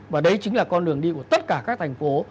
và đấy chính là con đường đi của tất cả các thành phố